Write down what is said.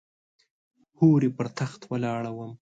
هورې پر تخت ولاړه وم .